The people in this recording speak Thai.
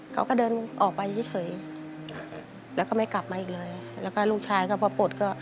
เขาก็เดินออกไปเฉยแล้วก็ไม่กลับมาอีกเลยแล้วก็ลูกชายก็พอปลดก็